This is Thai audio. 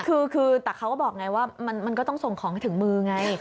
คือแต่เขาก็บอกไงว่ามันก็ต้องส่งของให้ถึงมือไง